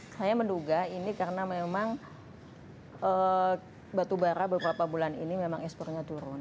saya menduga ini karena memang batu bara beberapa bulan ini memang ekspornya turun